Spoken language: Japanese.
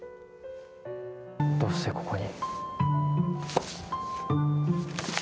どうしてここに？